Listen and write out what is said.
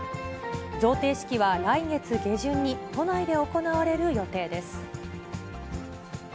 贈呈式は来月下旬に都内で行われる予定です。